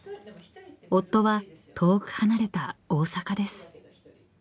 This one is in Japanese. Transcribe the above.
［夫は遠く離れた大阪です］